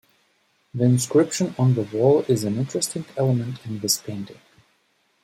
The inscription on the wall is an interesting element in this painting.